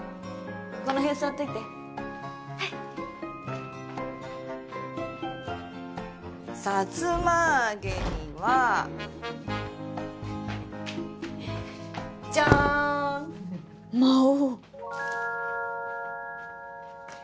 この辺座っといてはいさつま揚げにはじゃーん魔王